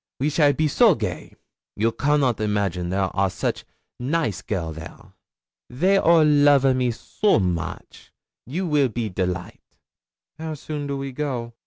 We shall be so gay. You cannot imagine there are such naice girl there. They all love a me so moche, you will be delight.' 'How soon do we go?'